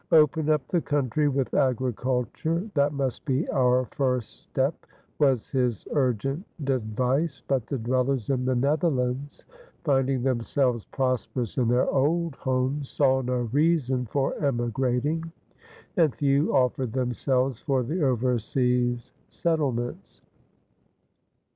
"Open up the country with agriculture: that must be our first step," was his urgent advice; but the dwellers in the Netherlands, finding themselves prosperous in their old homes, saw no reason for emigrating, and few offered themselves for the overseas settlements.